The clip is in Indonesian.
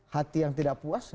hati yang tidak puas